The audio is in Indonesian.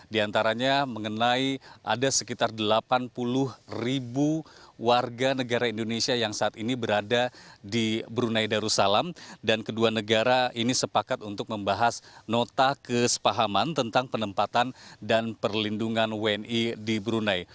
di antaranya mengenai ada sekitar delapan puluh ribu warga negara indonesia yang saat ini berada di brunei darussalam dan kedua negara ini sepakat untuk membahas nota kesepahaman tentang penempatan dan perlindungan wni di brunei